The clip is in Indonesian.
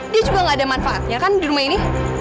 dia juga nggak ada manfaat ya kan di rumah ini